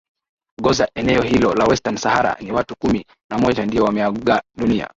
goza eneo hilo la western sahara ni watu kumi na moja ndio wameaga dunia